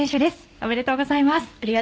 ありがとうございます。